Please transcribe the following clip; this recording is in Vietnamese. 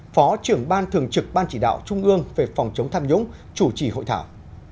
phó trưởng ban thường trực ban chỉ đạo trung ương về phòng chống tham nhũng chủ trì hội thảo